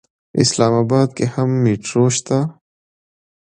اسلام اباد کې هم مېټرو شته.